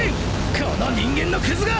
この人間のクズが！